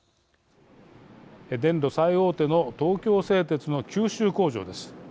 電炉最大手の東京製鐵の九州工場です。